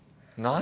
何？